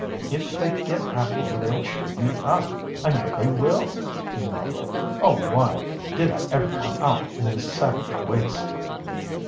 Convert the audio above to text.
"If they get at me they'll chew me up, I know they will," he moaned. "Oh, why did I ever come out in this savage waste!"